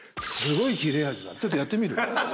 ちょっとやってみる？